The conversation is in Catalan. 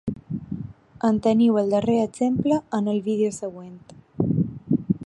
En teniu el darrer exemple en el vídeo següent.